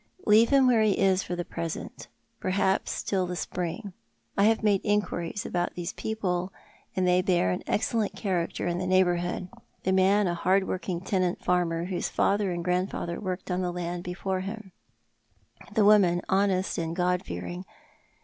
" Leave him where he is for the present ; perhaps till the spring. I have made inquiries about these people, and they bear an excellent character in the neighbourhood — the man a hard working tenant farmer, whose father and grandfather worked on the land before him; the woman honest and God fearing.